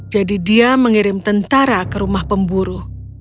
jadi dia mengirim tentara ke rumah pemburu